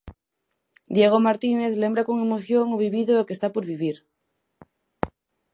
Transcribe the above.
Diego Martínez lembra con emoción o vivido e o que está por vivir.